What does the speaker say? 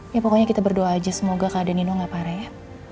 ya pokoknya kita berdoa aja semoga keadaan nino gak parah ya